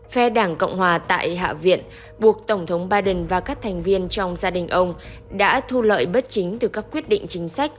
phe đảng cộng hòa tại hạ viện buộc tổng thống biden và các thành viên trong gia đình ông đã thu lợi bất chính từ các quyết định chính sách